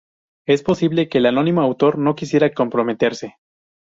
Es posible que el anónimo autor no quisiera comprometerse.